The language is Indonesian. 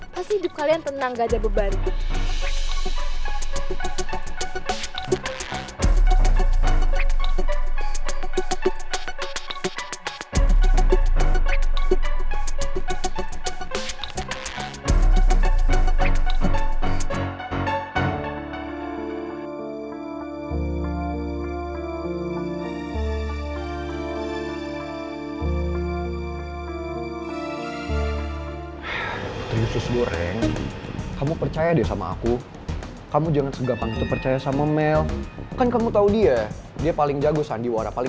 pasti hidup kalian tenang ga ada beban